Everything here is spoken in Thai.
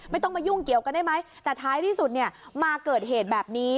ไม่ต้องมายุ่งเกี่ยวกันได้ไหมแต่ท้ายที่สุดเนี่ยมาเกิดเหตุแบบนี้